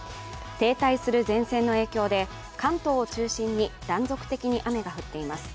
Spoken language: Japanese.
停滞する前線の影響で関東を中心に断続的に雨が降っています。